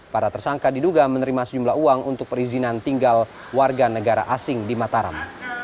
para tersangka diduga menerima sejumlah uang untuk perizinan tinggal warga negara asing di mataram